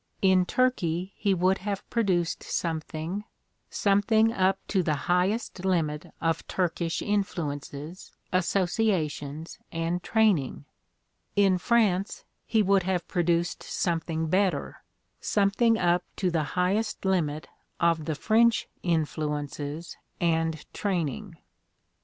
In Turkey he would have produced something — something up to the highest limit of Turkish influences, associations and training. In France he would have produced something better — something up to the highest limit of the French influences and train ing". .